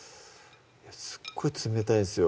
いやすっごい冷たいんですよ